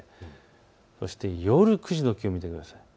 そして夜９時の気温を見てください。